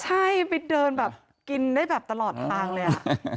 ใช่ไปเดินแบบกินได้แบบตลอดทางเลย